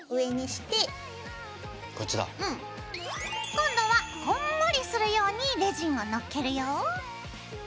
今度はこんもりするようにレジンをのっけるよ。